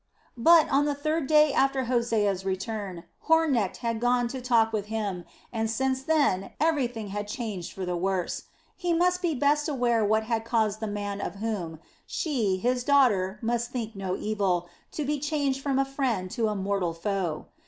But, on the third day after Hosea's return, Hornecht had gone to talk with him and since then everything had changed for the worse. He must be best aware what had caused the man of whom she, his daughter, must think no evil, to be changed from a friend to a mortal foe.